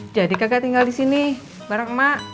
jadi kagak tinggal disini bareng emak